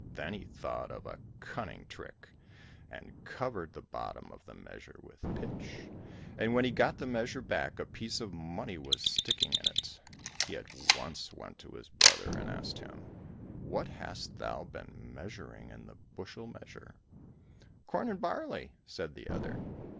Then he thought of a cunning trick, and covered the bottom of the measure with pitch, and when he got the measure back a piece of money was sticking in it. He at once went to his brother and asked him, "What hast thou been measuring in the bushel measure?" "Corn and barley," said the other.